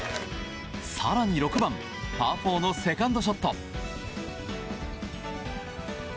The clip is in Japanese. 更に６番、パー４のセカンドショット。